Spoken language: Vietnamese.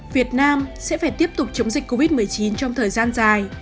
việt nam sẽ phải tiếp tục chống dịch covid một mươi chín trong thời gian dài